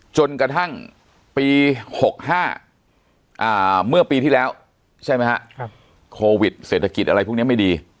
จนกระทั่งปี๖๕เมื่อปีที่แล้วใช่ไหมฮะโควิดเศรษฐกิจอะไรพวกนี้ไม่ดี